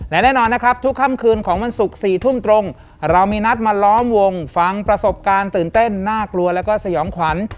และแน่นอนนะครับทุกค่ำคืนของวันศุกร์๔ทุ่มตรงเรามีนัดมาล้อมวงฟังประสบการณ์ตื่นเต้นน่ากลัวแล้วก็สยองขวัญ